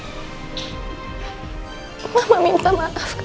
cepat cepat something yang dilakukan sama it ya